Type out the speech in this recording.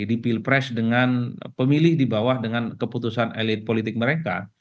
di pilpres dengan pemilih di bawah dengan keputusan elit politik mereka